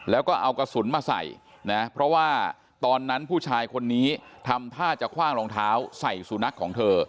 แล้วก็เอากระสุนมาใส่นะเพราะว่าตอนนั้นผู้ชายคนนี้ทำท่าจะคว่างรองเท้าใส่สุนัขของเธอ